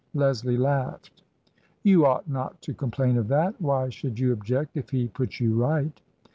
Leslie laughed. " You ought not to complain of that. Why should you object if he put you right